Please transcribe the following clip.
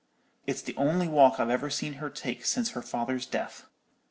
It's the only walk I've ever seen her take since her father's death.